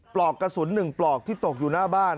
ปลอกกระสุน๑ปลอกที่ตกอยู่หน้าบ้าน